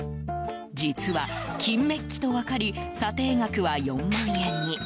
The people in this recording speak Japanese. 実は、金メッキと分かり査定額は４万円に。